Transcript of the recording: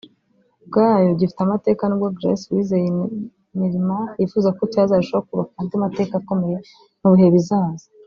ubwacyo gifite amateka n’ubwo Grace Uwizeye Neelyma yifuza ko cyazarushaho kubaka andi mateka akomeye mu bihe bizaza